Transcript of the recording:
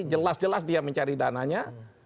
jelas jelas dia mencari dananya